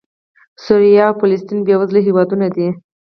سوریه او فلسطین بېوزله هېوادونه دي.